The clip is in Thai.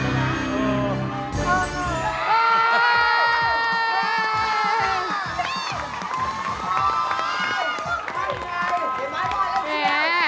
อือ